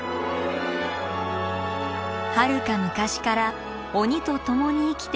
はるか昔から鬼と共に生きてきた国東半島。